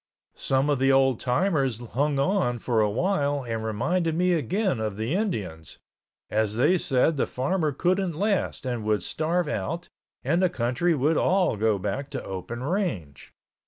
Some of the old timers hung on for awhile and reminded me again of the Indians, as they said the farmer couldn't last and would starve out and the country would all go back to open range.